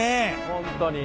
本当に。